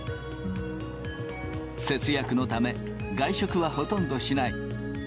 節約のため、外食はほとんどしない。